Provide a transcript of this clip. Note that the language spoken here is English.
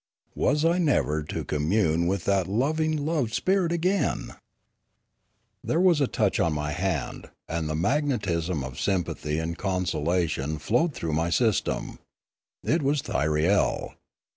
Was I never to commune with that loving loved spirit again ? There was a touch on my hand, and the magnetism of sympathy and consolation flowed through my sys tem. It was Thyriel.